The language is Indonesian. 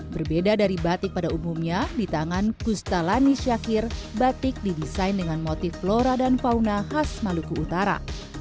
berbeda dari batik pada umumnya di tangan kustalani syakir batik didesain dengan motif flora dan fauna khas maluku utara